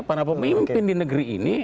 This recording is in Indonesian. para pemimpin di negeri ini